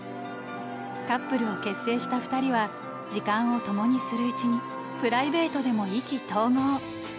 カップルを結成した２人は時間をともにするうちにプライベートでも意気投合。